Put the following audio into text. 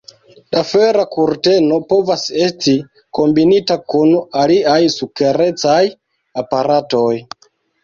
La fera kurteno povas esti kombinita kun aliaj sekurecaj aparatoj.